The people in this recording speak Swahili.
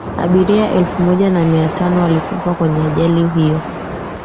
abiria elfu moja na mia tano walikufa kwenye ajali hiyo